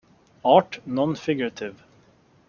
Art non figurativ.